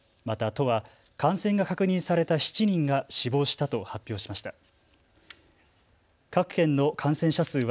また都は感染が確認された７人が死亡したと発表しました。